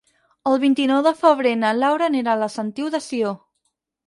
El vint-i-nou de febrer na Laura anirà a la Sentiu de Sió.